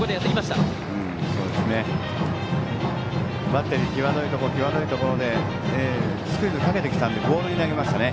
バッテリー、際どいところ際どいところでスクイズをかけてきたのでボールになりましたね。